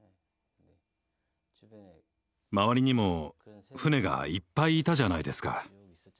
周りにも船がいっぱいいたじゃないですか。